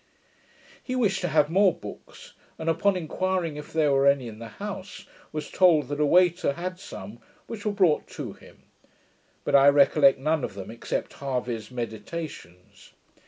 He wished to have more books, and, upon inquiring if there were any in the house, was told that a waiter had some, which were brought to him; but I recollect none of them, except Hervey's Meditations.